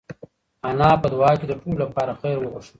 انا په دعا کې د ټولو لپاره خیر وغوښت.